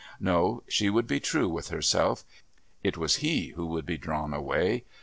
No, she would be true with herself. It was he who would be drawn away.